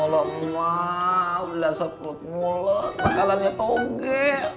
ya allah emak udah sepuluh mulut makannya toge